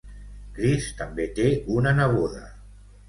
Chris també té una neboda.